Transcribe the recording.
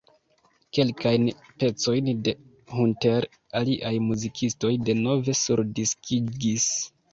Kelkajn pecojn de Hunter aliaj muzikistoj denove surdiskigis.